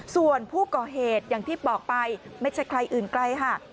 ส่วนผู้ก่อเหตุอย่างที่บอกไปไม่ใช่ใครอื่นไกลค่ะ